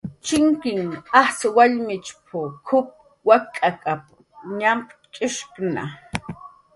"Chinknhan ajtz' wallmichp"" kup wak'k""ap"" ñamk""cx'ishkna"